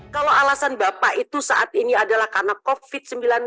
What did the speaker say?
kalau alasan bapak itu saat ini adalah karena covid sembilan belas